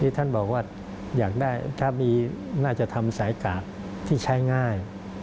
ท่านบอกว่าอยากได้ถ้ามีน่าจะทำสายกากที่ใช้ง่าย